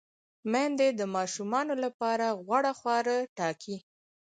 میندې د ماشومانو لپاره غوره خواړه ټاکي۔